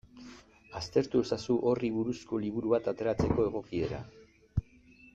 Aztertu ezazu horri buruzko liburu bat ateratzeko egokiera.